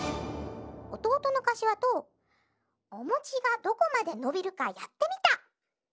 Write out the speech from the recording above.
おとうとのかしわとおもちがどこまでのびるかやってみた！